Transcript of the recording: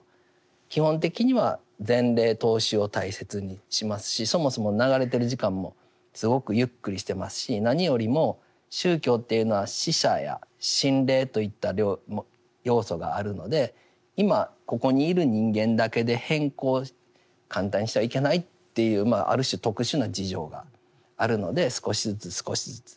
基本的には前例踏襲を大切にしますしそもそも流れてる時間もすごくゆっくりしていますし何よりも宗教というのは死者や心霊といった要素があるので今ここにいる人間だけで変更を簡単にしてはいけないというある種特殊な事情があるので少しずつ少しずつ。